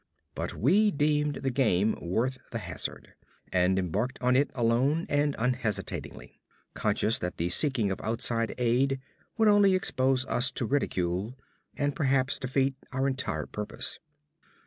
But we deemed the game worth the hazard, and embarked on it alone and unhesitatingly; conscious that the seeking of outside aid would only expose us to ridicule and perhaps defeat our entire purpose.